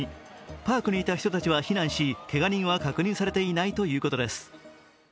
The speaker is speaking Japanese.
パークにいた人たちは避難し、けが人は確認されていないということです。